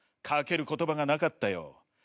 かける言葉がなかったよ。